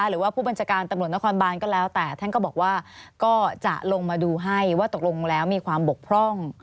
หรือว่าผู้บัญชาการตำรวจนครบานก็แล้วแต่ท่านก็บอกว่าก็จะลงมาดูให้ว่าตกลงแล้วมีความบกพร่อง